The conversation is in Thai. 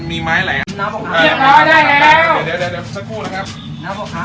มันมีไม้แล้วเดี๋ยวเดี๋ยวเดี๋ยวเดี๋ยวสักครู่นะครับ